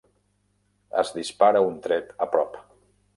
Es dispara un tret a prop.